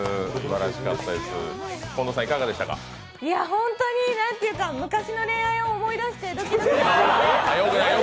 本当に昔の恋愛を思い出してドキドキしてました。